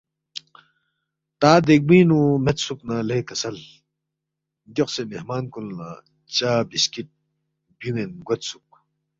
تا دیکبُوئِنگ نُو میدسُوک نہ لے کسل، گیوخسے مہمان کُن لہ چا بسکٹ بیُون٘ین گویدسُوک